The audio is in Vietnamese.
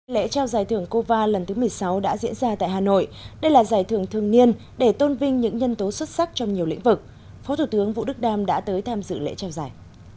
lễ trao giải thưởng cova lần thứ một mươi sáu đã diễn ra tại hà nội đây là giải thưởng thường niên để tôn vinh những nhân tố xuất sắc trong nhiều lĩnh vực phó thủ tướng vũ đức đam đã tới tham dự lễ trao giải